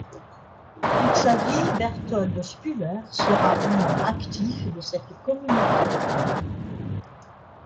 Toute sa vie, Bertold Spuler sera un membre actif de cette communauté.